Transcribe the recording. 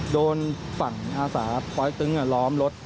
โดนฝั่งอาสาปลอยตึงล้อมรถ